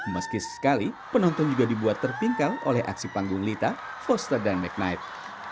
meski sesekali penonton juga dibuat terpingkal oleh aksi panggung lita foster dan mcknight